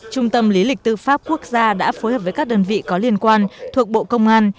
trung tâm lý lịch tư pháp quốc gia đã phối hợp với các đơn vị có liên quan thuộc bộ công an